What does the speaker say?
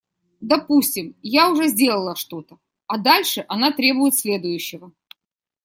Допустим, я уже сделала что-то, а дальше она требует следующего.